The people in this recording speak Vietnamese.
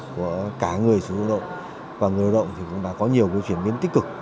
của cả người sử dụng lao động và người lao động thì cũng đã có nhiều chuyển biến tích cực